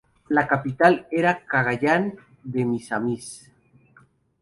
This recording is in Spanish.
La capital era Cagayán de Misamis.